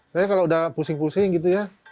saya kalau udah pusing pusing gitu ya